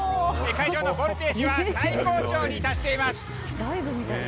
会場のボルテージは最高潮に達しています。